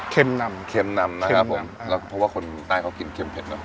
เข็มนำเข็มนำนะครับผมเข็มนำแล้วเพราะว่าคนใต้เขากินเข็มเผ็ดเนอะ